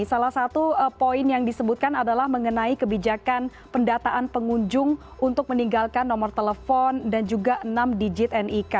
salah satu poin yang disebutkan adalah mengenai kebijakan pendataan pengunjung untuk meninggalkan nomor telepon dan juga enam digit nik